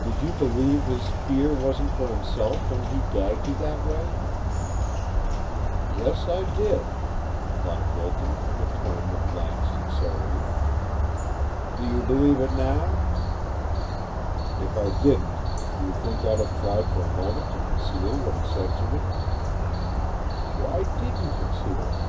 Did you believe his fear wasn't for himself when he gagged you that way?" "Yes; I did," replied Wilton, in a tone that lacked sincerity. "Do you believe it now?" "If I didn't, do you think I'd have tried for a moment to conceal what he said to me?" "Why did you conceal it?"